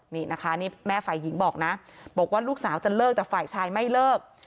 นี่นะคะนี่แม่ฝ่ายหญิงบอกนะบอกว่าลูกสาวจะเลิกแต่ฝ่ายชายไม่เลิก